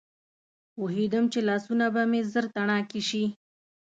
پوهېدم چې لاسونه به مې ژر تڼاکي شي.